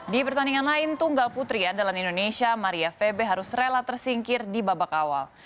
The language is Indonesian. di pertandingan lain tunggal putri andalan indonesia maria febe harus rela tersingkir di babak awal